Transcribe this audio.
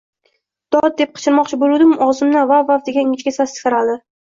“Dod!” deb qichqirmoqchi bo‘luvdim, og‘zimdan “vav, vav” degan ingichka sas taraldi